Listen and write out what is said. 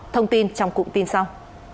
thông tin trong cụm tin sau